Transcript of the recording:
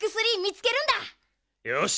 よし！